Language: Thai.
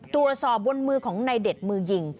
ตรวจสอบบนมือของในเด็ดมือยิง